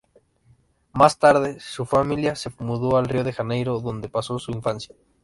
Más tarde, su familia se mudó a Río de Janeiro, donde pasó su infancia.